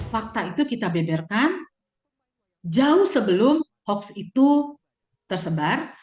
fakta itu kita beberkan jauh sebelum hoax itu tersebar